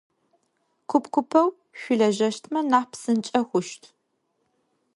Куп-купэу шъулэжьэщтмэ нахь псынкӏэ хъущт.